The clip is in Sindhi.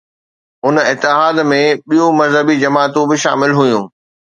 ان اتحاد ۾ ٻيون مذهبي جماعتون به شامل هيون.